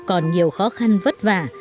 còn nhiều khó khăn vất vả